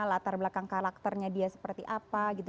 latar belakang karakternya dia seperti apa gitu